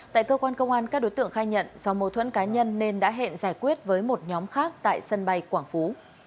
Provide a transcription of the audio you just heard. tại cơ quan công an các đối tượng khai nhận do mâu thuẫn cá nhân nên đã hẹn giải quyết với một nhóm khác tại sân bay quảng phú